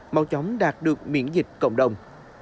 mau chóng đạt được miễn dịch cộng đồng